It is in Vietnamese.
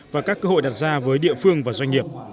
và các cơ hội đặt ra với địa phương và doanh nghiệp